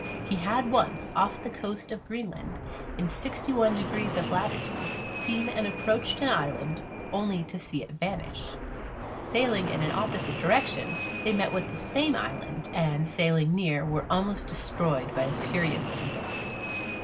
He had once, off the coast of Greenland, in sixty one degrees of latitude, seen and approached such an island only to see it vanish. Sailing in an opposite direction, they met with the same island, and sailing near, were almost destroyed by a furious tempest.